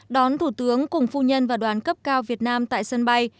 đón thủ tướng cùng phu nhân và đoàn cấp cao việt nam tại sân bay